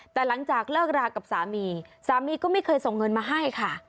แต่หลังจากเลิกรากับสามีสามีก็ไม่เคยส่งเงินมาให้ค่ะ